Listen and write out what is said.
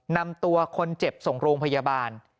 นำตัวคนเจ็บส่งโรงพยาบาล